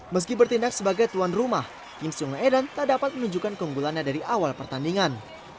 meski bertindak sebagai tuan rumah kim sungedan tak dapat menunjukkan keunggulannya dari awal pertandingan